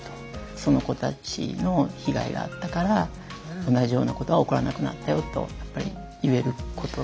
その子たちの被害があったから同じようなことが起こらなくなったよとやっぱり言えること